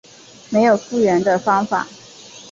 没有复原的方法